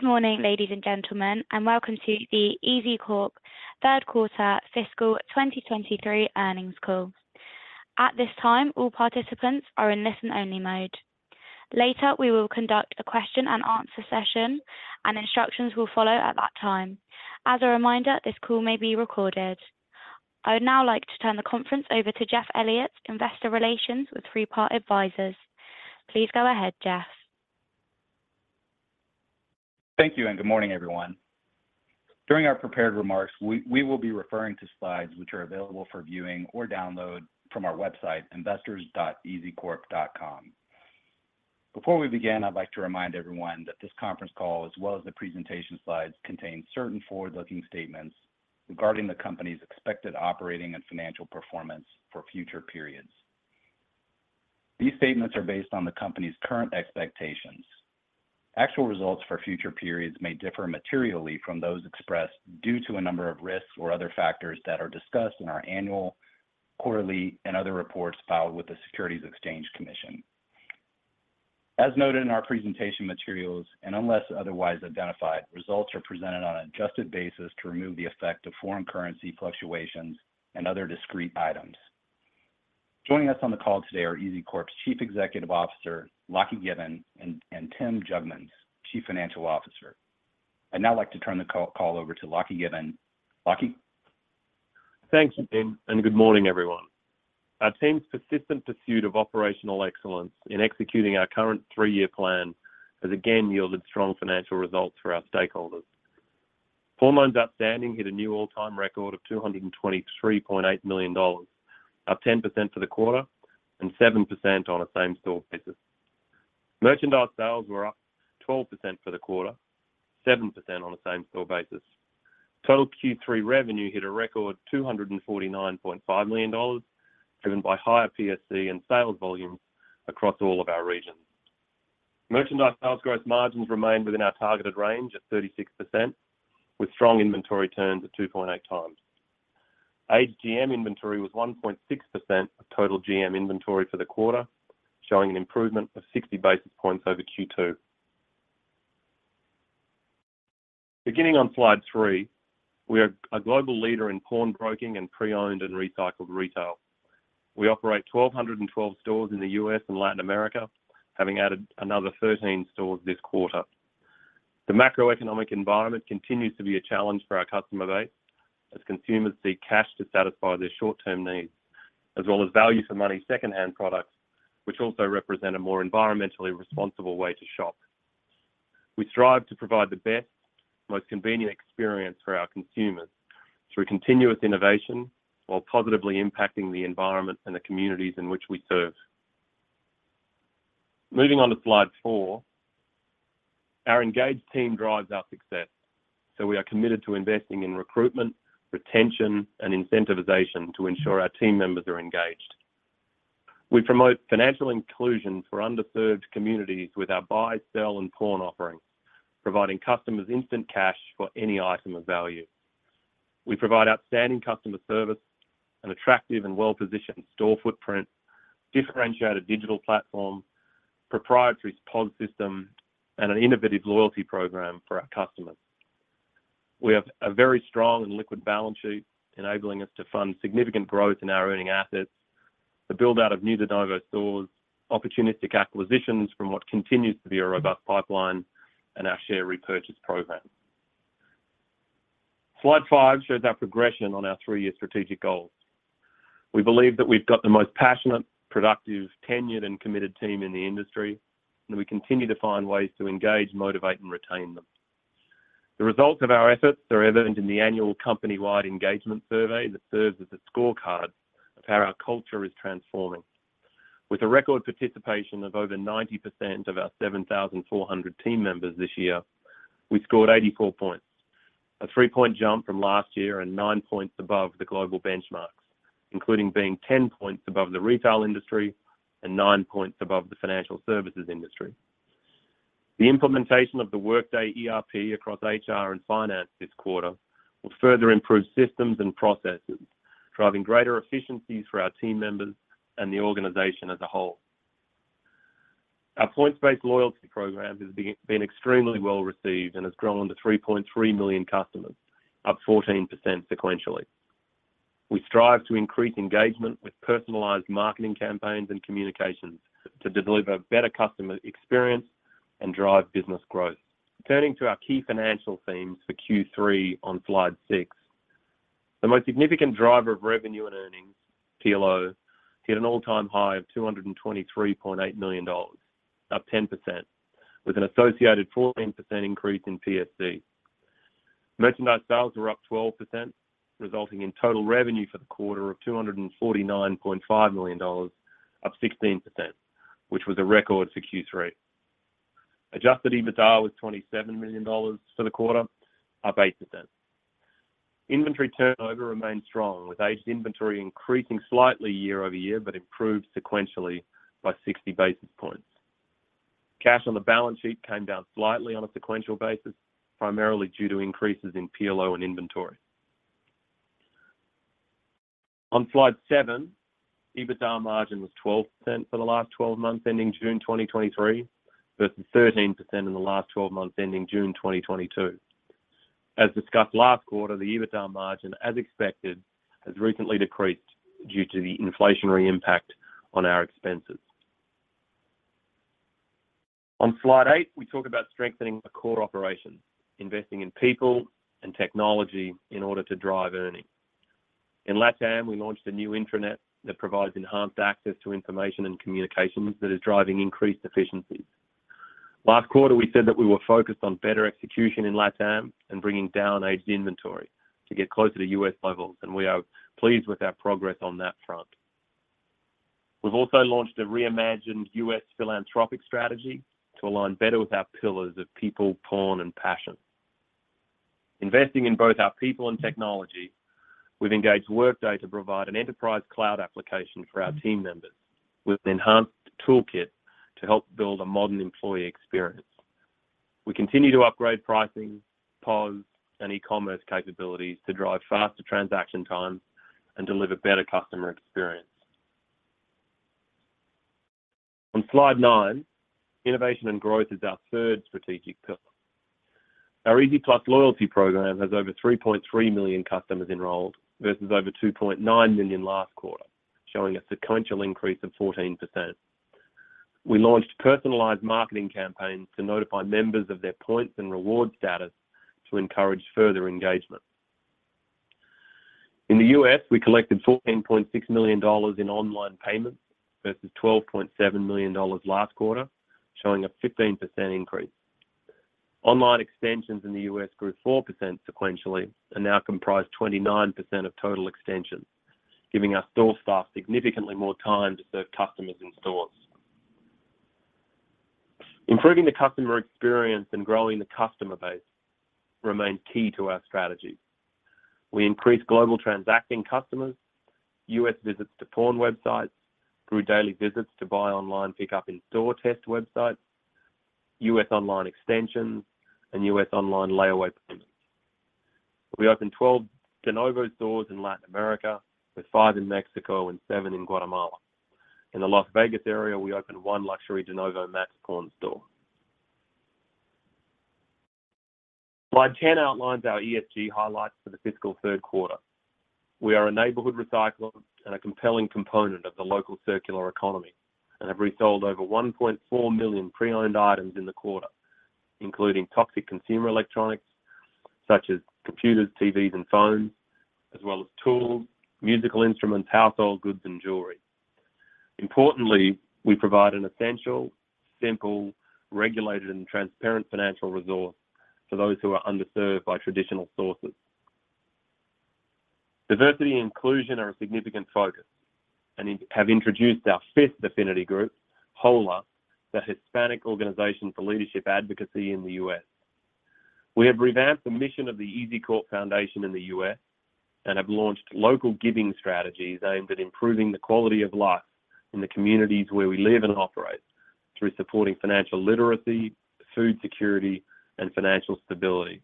Good morning, ladies and gentlemen, and welcome to the EZCORP third quarter fiscal 2023 earnings call. At this time, all participants are in listen-only mode. Later, we will conduct a question and answer session, and instructions will follow at that time. As a reminder, this call may be recorded. I would now like to turn the conference over to Jeff Elliott, Investor Relations with Three Part Advisors. Please go ahead, Jeff. Thank you, and good morning, everyone. During our prepared remarks, we will be referring to slides which are available for viewing or download from our website, investors.ezcorp.com. Before we begin, I'd like to remind everyone that this conference call, as well as the presentation slides, contains certain forward-looking statements regarding the company's expected operating and financial performance for future periods. These statements are based on the company's current expectations. Actual results for future periods may differ materially from those expressed due to a number of risks or other factors that are discussed in our annual, quarterly, and other reports filed with the Securities and Exchange Commission. As noted in our presentation materials, and unless otherwise identified, results are presented on an adjusted basis to remove the effect of foreign currency fluctuations and other discrete items. Joining us on the call today are EZCORP's Chief Executive Officer, Lachie Given, and Tim Jugmans, Chief Financial Officer. I'd now like to turn the call over to Lachie Given. Lachie? Thanks, Tim, and good morning, everyone. Our team's persistent pursuit of operational excellence in executing our current three-year plan has again yielded strong financial results for our stakeholders. Pawn loans outstanding hit a new all-time record of $223.8 million, up 10% for the quarter and 7% on a same-store basis. Merchandise sales were up 12% for the quarter, 7% on a same-store basis. Total Q3 revenue hit a record $249.5 million, driven by higher PSC and sales volumes across all of our regions. Merchandise sales growth margins remained within our targeted range at 36%, with strong inventory turns at 2.8 times. Aged GM inventory was 1.6% of total GM inventory for the quarter, showing an improvement of 60 basis points over Q2. Beginning on slide three, we are a global leader in pawnbroking and pre-owned and recycled retail. We operate 1,212 stores in the U.S. and Latin America, having added another 13 stores this quarter. The macroeconomic environment continues to be a challenge for our customer base as consumers seek cash to satisfy their short-term needs, as well as value for money secondhand products, which also represent a more environmentally responsible way to shop. We strive to provide the best, most convenient experience for our consumers through continuous innovation while positively impacting the environment and the communities in which we serve. Moving on to slide four. Our engaged team drives our success. We are committed to investing in recruitment, retention, and incentivization to ensure our team members are engaged. We promote financial inclusion for underserved communities with our buy, sell, and pawn offerings, providing customers instant cash for any item of value. We provide outstanding customer service, an attractive and well-positioned store footprint, differentiated digital platform, proprietary POS system, and an innovative loyalty program for our customers. We have a very strong and liquid balance sheet, enabling us to fund significant growth in our earning assets, the build-out of new de novo stores, opportunistic acquisitions from what continues to be a robust pipeline, and our share repurchase program. Slide five shows our progression on our three year strategic goals. We believe that we've got the most passionate, productive, tenured, and committed team in the industry, and we continue to find ways to engage, motivate, and retain them. The results of our efforts are evident in the annual company-wide engagement survey that serves as a scorecard of how our culture is transforming. With a record participation of over 90% of our 7,400 team members this year, we scored 84 points, a 3-point jump from last year and nine points above the global benchmarks, including being 10 points above the retail industry and nine points above the financial services industry. The implementation of the Workday ERP across HR and finance this quarter will further improve systems and processes, driving greater efficiencies for our team members and the organization as a whole. Our points-based loyalty program has been extremely well-received and has grown to 3.3 million customers, up 14% sequentially. We strive to increase engagement with personalized marketing campaigns and communications to deliver better customer experience and drive business growth. Turning to our key financial themes for Q3 on slide six. The most significant driver of revenue and earnings, PLO, hit an all-time high of $223.8 million, up 10%, with an associated 14% increase in PSC. Merchandise sales were up 12%, resulting in total revenue for the quarter of $249.5 million, up 16%, which was a record for Q3. Adjusted EBITDA was $27 million for the quarter, up 8%. Inventory turnover remained strong, with aged inventory increasing slightly year-over-year, but improved sequentially by 60 basis points. Cash on the balance sheet came down slightly on a sequential basis, primarily due to increases in PLO and inventory. On slide seven, EBITDA margin was 12% for the last 12 months, ending June 2023, versus 13% in the last 12 months, ending June 2022. As discussed last quarter, the EBITDA margin, as expected, has recently decreased due to the inflationary impact on our expenses. On slide eight, we talk about strengthening the core operations, investing in people and technology in order to drive earnings. In LATAM, we launched a new intranet that provides enhanced access to information and communications that is driving increased efficiencies. Last quarter, we said that we were focused on better execution in LATAM and bringing down aged inventory to get closer to US levels, and we are pleased with our progress on that front. We've also launched a reimagined US philanthropic strategy to align better with our pillars of people, pawn, and passion. Investing in both our people and technology, we've engaged Workday to provide an enterprise cloud application for our team members with an enhanced toolkit to help build a modern employee experience. We continue to upgrade pricing, POS, and e-commerce capabilities to drive faster transaction times and deliver better customer experience. On slide nine, innovation and growth is our third strategic pillar. Our EZ+ loyalty program has over 3.3 million customers enrolled, versus over 2.9 million last quarter, showing a sequential increase of 14%. We launched personalized marketing campaigns to notify members of their points and reward status to encourage further engagement. In the US, we collected $14.6 million in online payments versus $12.7 million last quarter, showing a 15% increase. Online extensions in the U.S. grew 4% sequentially and now comprise 29% of total extensions, giving our store staff significantly more time to serve customers in stores. Improving the customer experience and growing the customer base remain key to our strategy. We increased global transacting customers, U.S. visits to pawn websites through daily visits to buy online, pick up in-store test websites, U.S. online extensions, and U.S. online layaway payments. We opened 12 de novo stores in Latin America, with five in Mexico and seven in Guatemala. In the Las Vegas area, we opened one luxury de novo Max Pawn store. Slide 10 outlines our ESG highlights for the fiscal third quarter. We are a neighborhood recycler and a compelling component of the local circular economy and have resold over 1.4 million pre-owned items in the quarter, including toxic consumer electronics such as computers, TVs, and phones, as well as tools, musical instruments, household goods, and jewelry. Importantly, we provide an essential, simple, regulated, and transparent financial resource for those who are underserved by traditional sources. Diversity and inclusion are a significant focus and have introduced our fifth affinity group, HOLA, the Hispanic Organization for Leadership Advocacy in the U.S. We have revamped the mission of the EZCORP Foundation in the U.S. and have launched local giving strategies aimed at improving the quality of life in the communities where we live and operate, through supporting financial literacy, food security, and financial stability.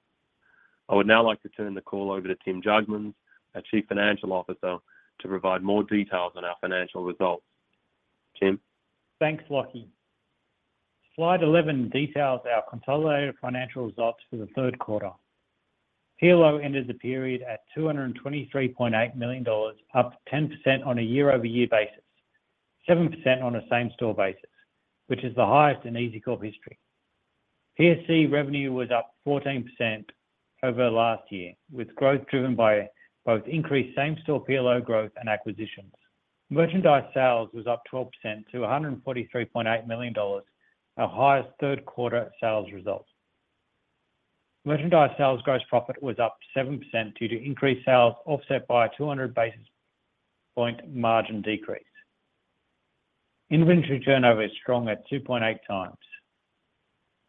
I would now like to turn the call over to Tim Jugmans, our Chief Financial Officer, to provide more details on our financial results. Tim? Thanks, Lachie. Slide 11 details our consolidated financial results for the third quarter. PLO ended the period at $223.8 million, up 10% on a year-over-year basis, 7% on a same-store basis, which is the highest in EZCORP history. PSC revenue was up 14% over last year, with growth driven by both increased same store PLO growth and acquisitions. Merchandise sales was up 12% to $143.8 million, our highest third quarter sales results. Merchandise sales gross profit was up 7% due to increased sales, offset by a 200 basis point margin decrease. Inventory turnover is strong at 2.8 times.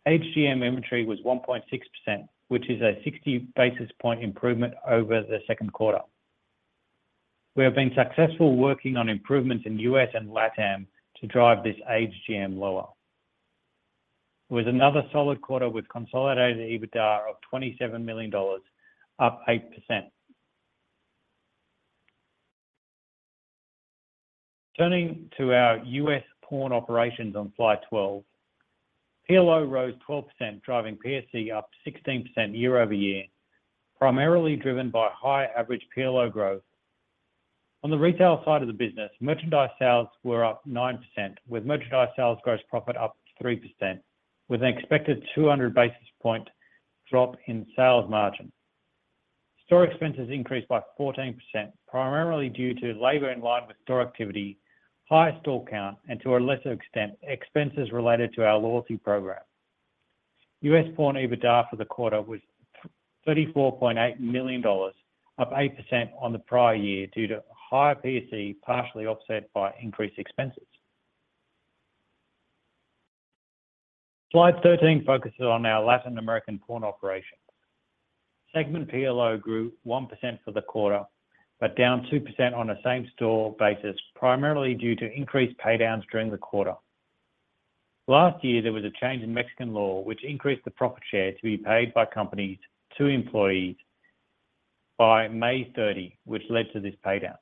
Aged GM inventory was 1.6%, which is a 60 basis point improvement over the second quarter. We have been successful working on improvements in U.S. and LATAM to drive this Aged GM lower. It was another solid quarter with consolidated EBITDA of $27 million, up 8%. Turning to our U.S. pawn operations on slide 12, PLO rose 12%, driving PSC up 16% year-over-year, primarily driven by high average PLO growth. On the retail side of the business, merchandise sales were up 9%, with merchandise sales gross profit up 3%, with an expected 200 basis point drop in sales margin. Store expenses increased by 14%, primarily due to labor in line with store activity, higher store count, and to a lesser extent, expenses related to our loyalty program. U.S. Pawn EBITDA for the quarter was $34.8 million, up 8% on the prior year due to higher PSC, partially offset by increased expenses. Slide 13 focuses on our Latin American pawn operations. Segment PLO grew 1% for the quarter, down 2% on a same-store basis, primarily due to increased pay downs during the quarter. Last year, there was a change in Mexican law, which increased the profit share to be paid by companies to employees by May 30, which led to this pay down.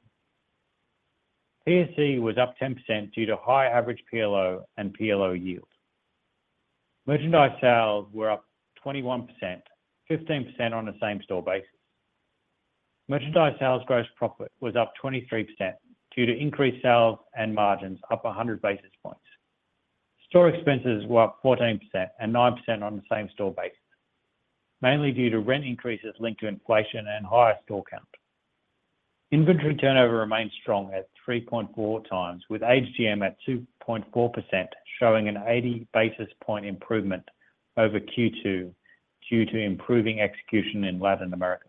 PSC was up 10% due to high average PLO and PLO yields. Merchandise sales were up 21%, 15% on the same store basis. Merchandise sales gross profit was up 23% due to increased sales and margins up 100 basis points. Store expenses were up 14% and 9% on the same store basis, mainly due to rent increases linked to inflation and higher store count. Inventory turnover remains strong at 3.4 times, with AGM at 2.4%, showing an 80 basis point improvement over Q2 due to improving execution in Latin America.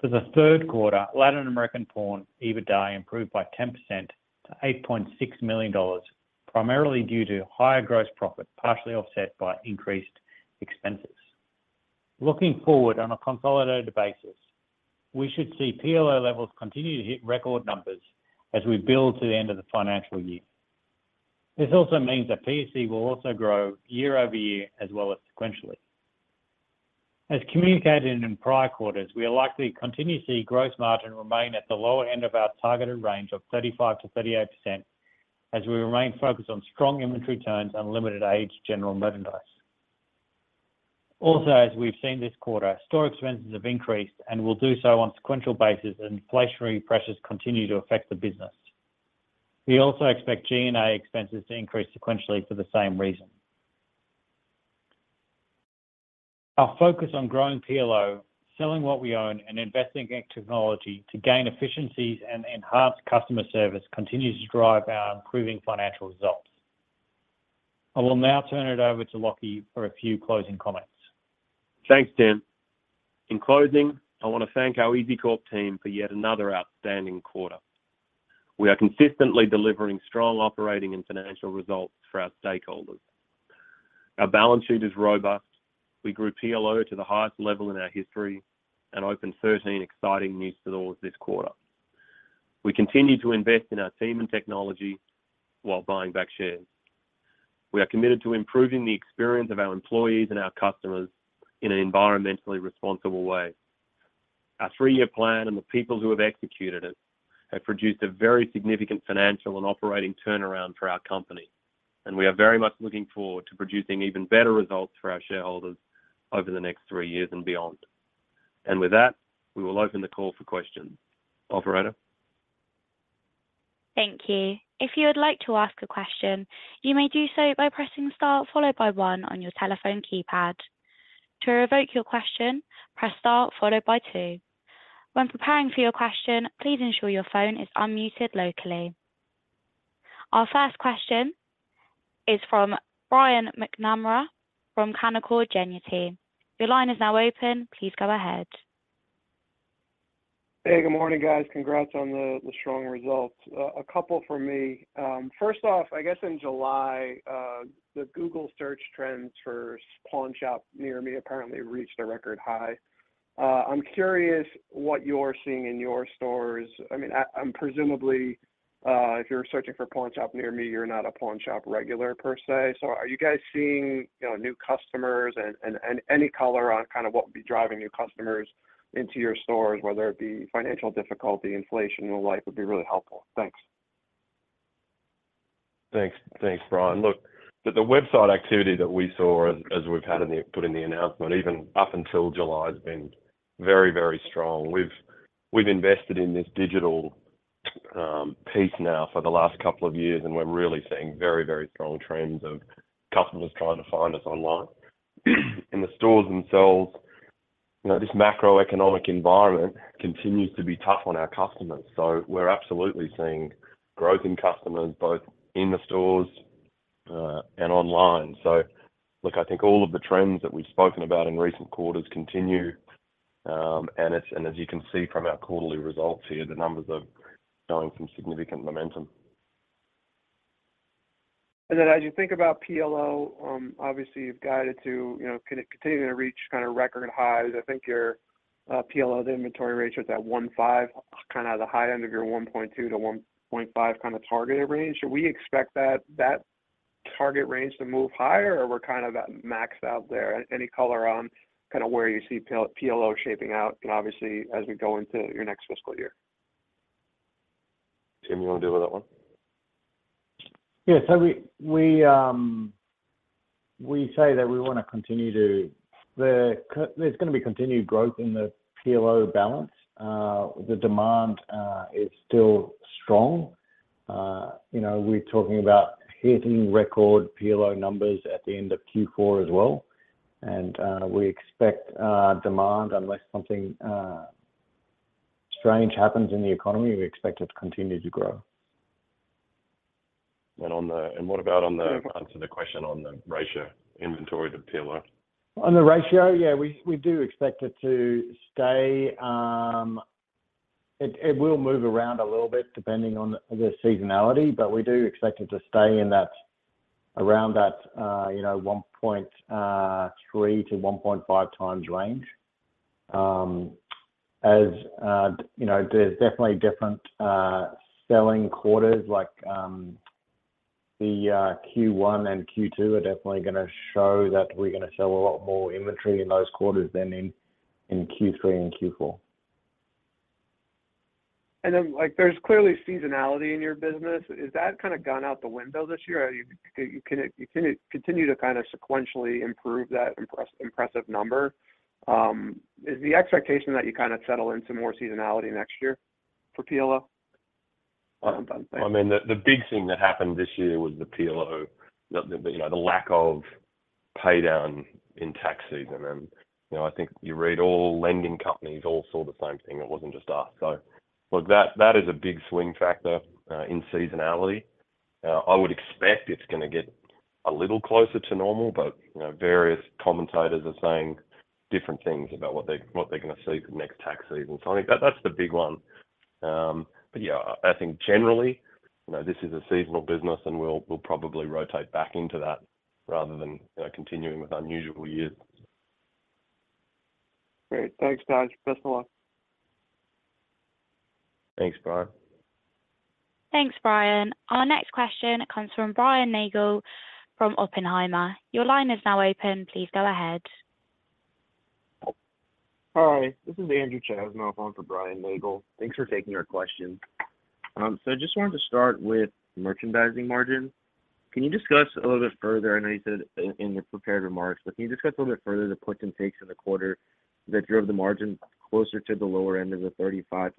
For the third quarter, Latin American Pawn EBITDA improved by 10% to $8.6 million, primarily due to higher gross profit, partially offset by increased expenses. Looking forward on a consolidated basis, we should see PLO levels continue to hit record numbers as we build to the end of the financial year. This also means that PSC will also grow year-over-year as well as sequentially. As communicated in prior quarters, we are likely to continue to see gross margin remain at the lower end of our targeted range of 35%-38%, as we remain focused on strong inventory turns and limited aged general merchandise. As we've seen this quarter, store expenses have increased and will do so on sequential basis, and inflationary pressures continue to affect the business. We also expect G&A expenses to increase sequentially for the same reason. Our focus on growing PLO, selling what we own, and investing in technology to gain efficiencies and enhance customer service continues to drive our improving financial results. I will now turn it over to Lachie for a few closing comments. Thanks, Tim. In closing, I want to thank our EZCORP team for yet another outstanding quarter. We are consistently delivering strong operating and financial results for our stakeholders. Our balance sheet is robust. We grew PLO to the highest level in our history and opened 13 exciting new stores this quarter. We continue to invest in our team and technology while buying back shares. We are committed to improving the experience of our employees and our customers in an environmentally responsible way. Our three year plan and the people who have executed it have produced a very significant financial and operating turnaround for our company. We are very much looking forward to producing even better results for our shareholders over the next three years and beyond. With that, we will open the call for questions. Operator? Thank you. If you would like to ask a question, you may do so by pressing star followed by one on your telephone keypad. To revoke your question, press star followed by two. When preparing for your question, please ensure your phone is unmuted locally. Our first question is from Brian McNamara, from Canaccord Genuity. Your line is now open. Please go ahead. Hey, good morning, guys. Congrats on the, the strong results. A couple for me. First off, I guess in July, the Google search trends for pawn shop near me apparently reached a record high. I'm curious what you're seeing in your stores. I mean, presumably, if you're searching for pawn shop near me, you're not a pawn shop regular per se. Are you guys seeing, you know, new customers and, and, and any color on kind of what would be driving new customers into your stores, whether it be financial difficulty, inflation, or life would be really helpful? Thanks. Thanks. Thanks, Brian. Look, the website activity that we saw as, as we've had in the, put in the announcement, even up until July, has been very, very strong. We've, we've invested in this digital piece now for the last couple of years, and we're really seeing very, very strong trends of customers trying to find us online. In the stores themselves, you know, this macroeconomic environment continues to be tough on our customers, so we're absolutely seeing growth in customers, both in the stores and online. Look, I think all of the trends that we've spoken about in recent quarters continue, and as you can see from our quarterly results here, the numbers are showing some significant momentum. As you think about PLO, obviously, you've guided to, you know, continue to reach kind of record highs. I think your PLO, the inventory ratio, is at 1.5, kind of the high end of your 1.2-1.5 kind of targeted range. Should we expect that, that target range to move higher, or we're kind of at max out there? Any color on kind of where you see PLO, PLO shaping out and obviously as we go into your next fiscal year? Tim, you want to deal with that one? Yeah. We, we say that we wanna continue there's gonna be continued growth in the PLO balance. The demand is still strong. You know, we're talking about hitting record PLO numbers at the end of Q4 as well. We expect demand, unless something strange happens in the economy, we expect it to continue to grow. Answer the question on the ratio, inventory to PLO? On the ratio, yeah, we, we do expect it to stay. It, it will move around a little bit, depending on the seasonality, but we do expect it to stay in that, around that, you know, 1.3 to 1.5 times range. As, you know, there's definitely different selling quarters, like, the Q1 and Q2 are definitely gonna show that we're gonna sell a lot more inventory in those quarters than in, in Q3 and Q4. Like, there's clearly seasonality in your business. Is that kind of gone out the window this year? Are you- can it, can it continue to kind of sequentially improve that impressive, impressive number? Is the expectation that you kind of settle in some more seasonality next year for PLO? I mean, the, the big thing that happened this year was the PLO, the, the, you know, the lack of pay down in tax season, and, you know, I think you read all lending companies all saw the same thing. It wasn't just us. Look, that, that is a big swing factor in seasonality. I would expect it's gonna get a little closer to normal, but, you know, various commentators are saying different things about what they, what they're gonna see for next tax season. I think that's the big one. Yeah, I think generally, you know, this is a seasonal business, and we'll, we'll probably rotate back into that rather than, you know, continuing with unusual years. Great. Thanks, guys. Best of luck. Thanks, Brian. Thanks, Brian. Our next question comes from Brian Nagel from Oppenheimer. Your line is now open. Please go ahead. Hi, this is Andrew Chasen on the phone for Brian Nagel. Thanks for taking our question. I just wanted to start with merchandising margins. Can you discuss a little bit further, I know you said in your prepared remarks, but can you discuss a little bit further the puts and takes in the quarter that drove the margin closer to the lower end of the 35%-38%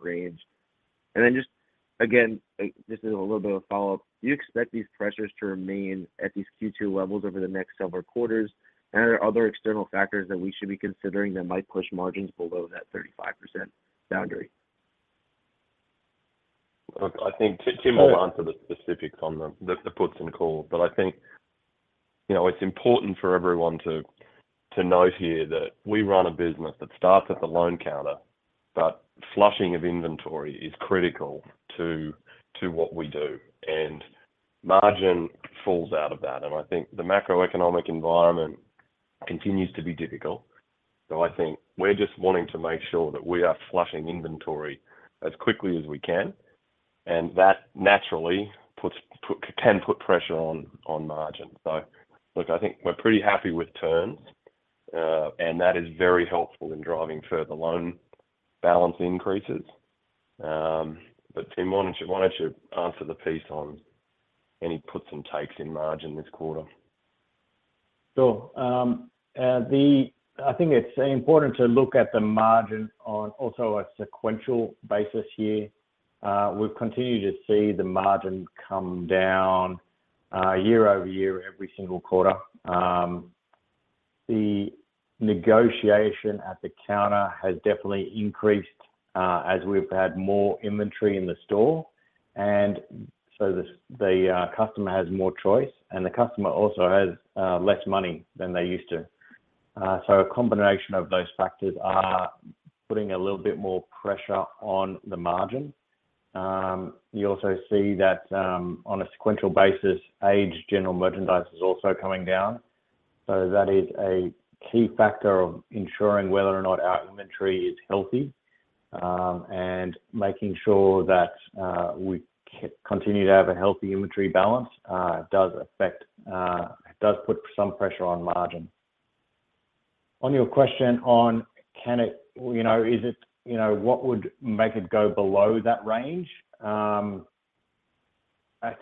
range? Just again, just as a little bit of a follow-up, do you expect these pressures to remain at these Q2 levels over the next several quarters? Are there other external factors that we should be considering that might push margins below that 35% boundary? Look, I think Tim, Tim will answer the specifics on the puts and calls, but I think, you know, it's important for everyone to note here that we run a business that starts at the loan counter, but flushing of inventory is critical to what we do, and margin falls out of that. I think the macroeconomic environment continues to be difficult, so I think we're just wanting to make sure that we are flushing inventory as quickly as we can, and that naturally puts pressure on margin. Look, I think we're pretty happy with terms, and that is very helpful in driving further loan balance increases. Tim, why don't you, why don't you answer the piece on any puts and takes in margin this quarter? Sure. I think it's important to look at the margin on also a sequential basis here. We've continued to see the margin come down year-over-year, every single quarter. The negotiation at the counter has definitely increased as we've had more inventory in the store, and so the customer has more choice, and the customer also has less money than they used to. A combination of those factors are putting a little bit more pressure on the margin. You also see that on a sequential basis, aged general merchandise is also coming down, so that is a key factor of ensuring whether or not our inventory is healthy. Making sure that we continue to have a healthy inventory balance does affect, it does put some pressure on margin. On your question on, can it, you know, is it, you know, what would make it go below that range? I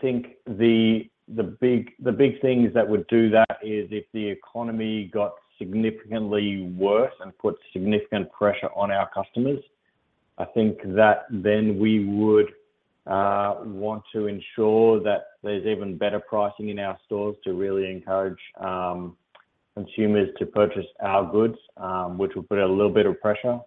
think the, the big, the big things that would do that is if the economy got significantly worse and put significant pressure on our customers. I think that then we would want to ensure that there's even better pricing in our stores to really encourage consumers to purchase our goods, which will put a little bit of pressure.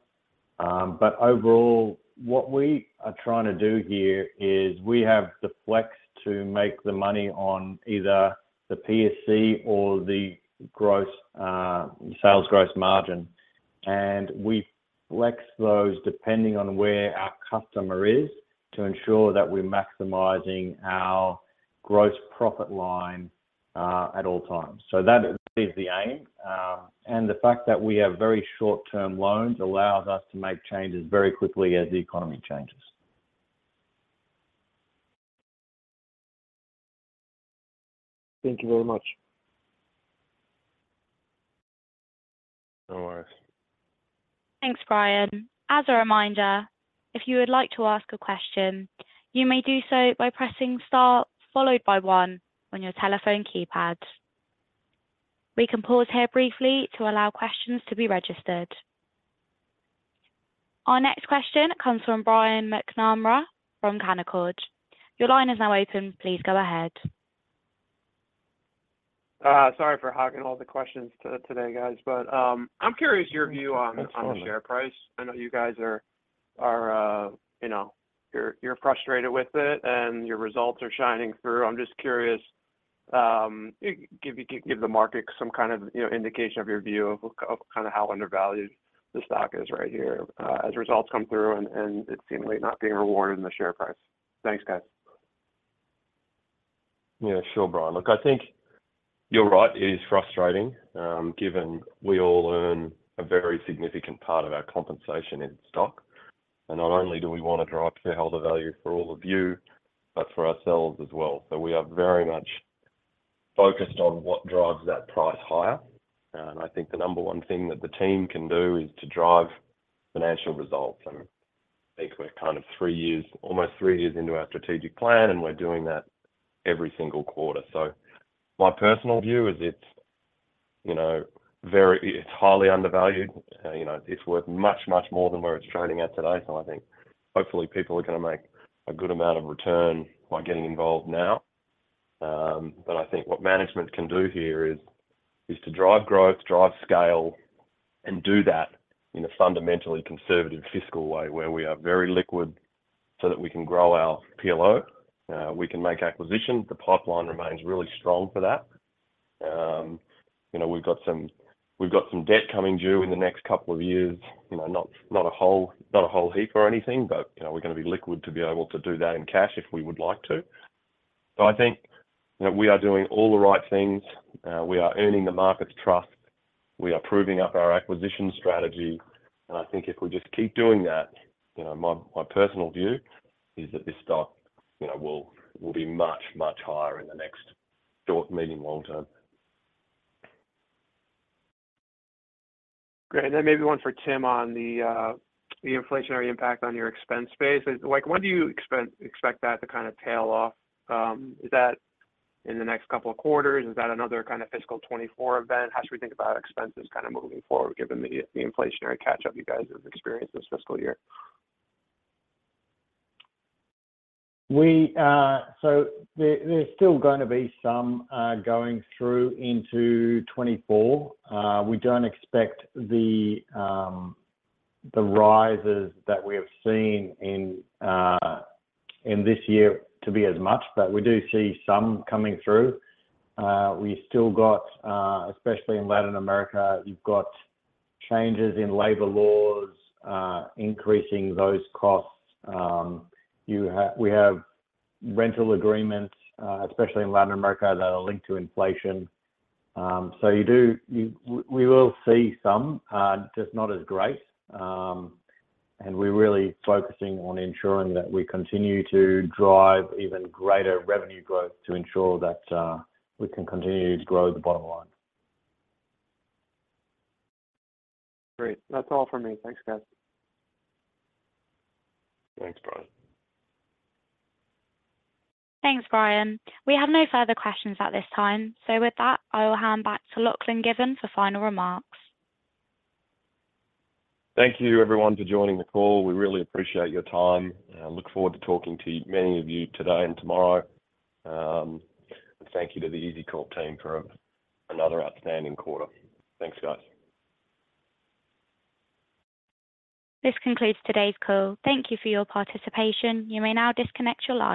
Overall, what we are trying to do here is we have the flex to make the money on either the PSC or the gross sales gross margin, and we flex those depending on where our customer is, to ensure that we're maximizing our gross profit line at all times. That is the aim, and the fact that we have very short-term loans allows us to make changes very quickly as the economy changes. Thank you very much. No worries. Thanks, Brian. As a reminder, if you would like to ask a question, you may do so by pressing star followed by one on your telephone keypad. We can pause here briefly to allow questions to be registered. Our next question comes from Brian McNamara from Canaccord. Your line is now open. Please go ahead. Sorry for hogging all the questions today, guys, but I'm curious your view on. That's fine. on the share price. I know you guys are, you know, you're frustrated with it, and your results are shining through. I'm just curious, give the market some kind of, you know, indication of your view of kind of how undervalued the stock is right here, as results come through and it seemingly not being rewarded in the share price. Thanks, guys. Yeah, sure, Brian. Look, I think you're right. It is frustrating, given we all earn a very significant part of our compensation in stock, not only do we want to drive shareholder value for all of you, but for ourselves as well. We are very much focused on what drives that price higher. I think the number 1 thing that the team can do is to drive financial results. I think we're kind of three years, almost three years into our strategic plan, and we're doing that every single quarter. My personal view is it's, you know, it's highly undervalued. You know, it's worth much, much more than where it's trading at today. I think hopefully, people are gonna make a good amount of return by getting involved now. I think what management can do here is, is to drive growth, drive scale, and do that in a fundamentally conservative fiscal way, where we are very liquid so that we can grow our PLO, we can make acquisitions. The pipeline remains really strong for that. You know, we've got some, we've got some debt coming due in the next two years, not, not a whole, not a whole heap or anything, but, we're gonna be liquid to be able to do that in cash if we would like to. I think, you know, we are doing all the right things. We are earning the market's trust, we are proving up our acquisition strategy, and I think if we just keep doing that, you know, my, my personal view is that this stock, you know, will, will be much, much higher in the next short, medium, long term. Great. Maybe one for Tim on the, the inflationary impact on your expense base, like, when do you expect that to kind of tail off? Is that in the next couple of quarters? Is that another kind of fiscal 2024 event? How should we think about expenses kind of moving forward, given the, the inflationary catch-up you guys have experienced this fiscal year? We, so there, there's still going to be some, going through into 2024. We don't expect the, the rises that we have seen in, in this year to be as much, but we do see some coming through. We still got, especially in Latin America, you've got changes in labor laws, increasing those costs. You have-- we have rental agreements, especially in Latin America, that are linked to inflation. You do- you, we will see some, just not as great. We're really focusing on ensuring that we continue to drive even greater revenue growth to ensure that, we can continue to grow the bottom line. Great. That's all for me. Thanks, guys. Thanks, Brian. Thanks, Brian. We have no further questions at this time. With that, I will hand back to Lachie Given for final remarks. Thank you everyone for joining the call. We really appreciate your time. I look forward to talking to many of you today and tomorrow. Thank you to the EZCORP team for another outstanding quarter. Thanks, guys. This concludes today's call. Thank you for your participation. You may now disconnect your line.